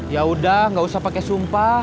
yaudah gak usah pake sumpah